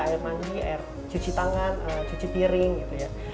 air mandi air cuci tangan cuci piring gitu ya